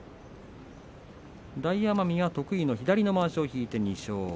大奄美は得意の左のまわしを引いて２勝。